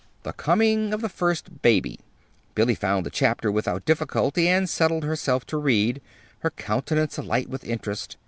"The Coming of the First Baby." Billy found the chapter without difficulty and settled herself to read, her countenance alight with interest.